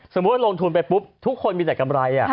สมมุติว่าลงทุนไปปุ๊บทุกคนมีแต่กำไร